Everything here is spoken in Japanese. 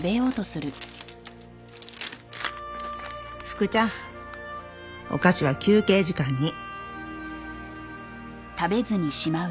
「ふくちゃん」「お菓子は休憩時間に！」